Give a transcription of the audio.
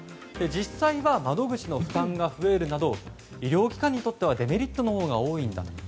実際は窓口の負担が増えるなど医療機関にとってはデメリットのほうが多いんだと。